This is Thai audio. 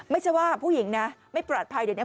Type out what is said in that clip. ไม่ใช่ว่าผู้หญิงนะไม่ปลอดภัยเดี๋ยวนี้